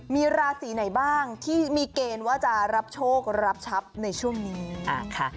มีราศีไหนบ้างที่มีเกณฑ์ว่าจะรับโชครับทรัพย์ในช่วงนี้ค่ะ